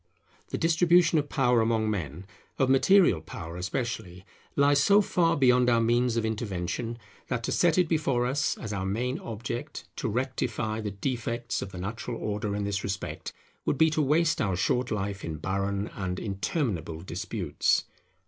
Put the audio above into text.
The distribution of power among men, of material power especially, lies so far beyond our means of intervention, that to set it before us as our main object to rectify the defects of the natural order in this respect, would be to waste our short life in barren and interminable disputes.